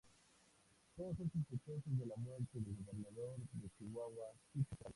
Todos son sospechosos de la muerte del gobernador de Chihuahua, Chucho Casares.